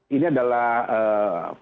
jadi ini adalah proses yang harus kita lakukan